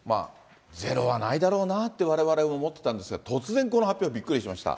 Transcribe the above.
ゼロはないだろうなって、われわれも思ってたんですが、突然この発表、びっくりしました。